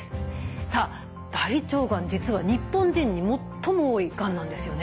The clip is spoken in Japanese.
さあ大腸がん実は日本人に最も多いがんなんですよね。